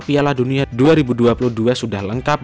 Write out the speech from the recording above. piala dunia dua ribu dua puluh dua sudah lengkap